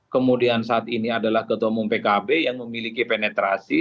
kemudian saat ini adalah ketua umum pkb yang memiliki penetrasi